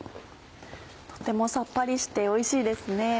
とてもさっぱりしておいしいですね。